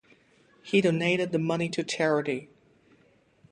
He donated the money to charity.